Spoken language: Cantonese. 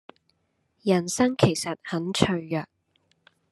人生其實很脆弱